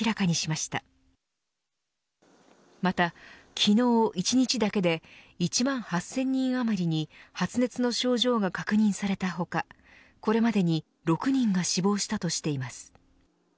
また昨日一日だけで１万８０００人余りに発熱の症状が確認された他これまでに６人が死亡したとしています。